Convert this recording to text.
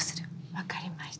分かりました。